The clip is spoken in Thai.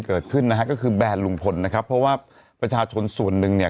เกิดขึ้นนะฮะก็คือแบรนด์ลุงพลนะครับเพราะว่าประชาชนส่วนหนึ่งเนี่ย